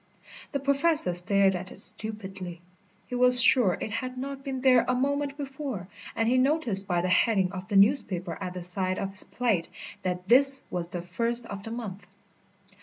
The Professor stared at it stupidly. He was sure it had not been there a moment before, and he noticed by the heading of the newspaper at the side of his plate that this was the first of the month.